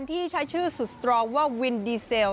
ที่ใช้ชื่อสุดสตรองว่าวินดีเซล